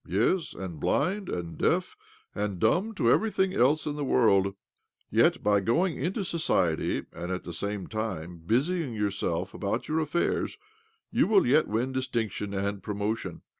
"Yes, and blind and deaf and dumb to everything else in the world I Yet by going into society and, at the same time, busying yourself about your affairs you will yet win distinction and promotion'.